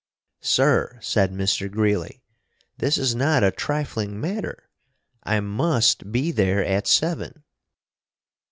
"Sir," said Mr. Greeley, "this is not a trifling matter. I must be there at seven!"